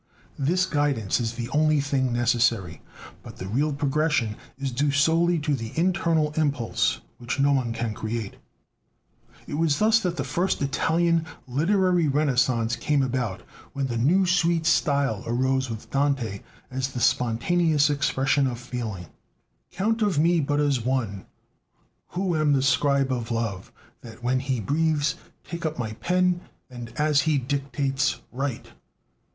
This guidance is the only thing necessary; but the real progression is due solely to the internal impulse, which no one can create. It was thus that the first Italian literary Renascence came about, when the "new sweet style" arose with Dante as the spontaneous expression of feeling: "Count of me but as one Who am the scribe of Love, that when he breathes Take up my pen and as he dictates, write."